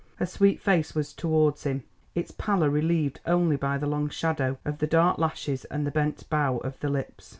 Her sweet face was towards him, its pallor relieved only by the long shadow of the dark lashes and the bent bow of the lips.